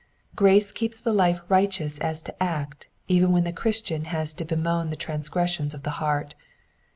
Grace keeps the life righteous as to act even when the Christian has to bemoan the transgressions of the heart.